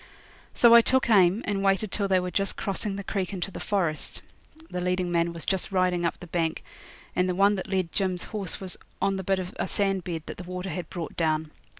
So I took aim and waited till they were just crossing the creek into the forest. The leading man was just riding up the bank, and the one that led Jim's horse was on the bit of a sand bed that the water had brought down.